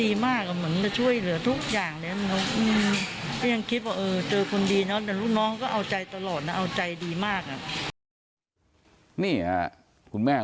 เอาใจดีมาก